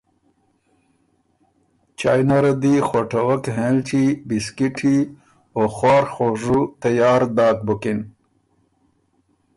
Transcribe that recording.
چایٛ نره دی خوټَوَک هېںلچي، بسکِټی، او خواڒ خوژو تیار داک بُکِن۔